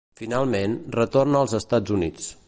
Finalment, retorna als Estats Units.